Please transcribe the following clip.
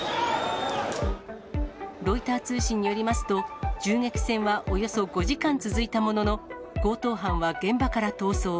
ロイター通信によりますと、銃撃戦はおよそ５時間続いたものの、強盗犯は現場から逃走。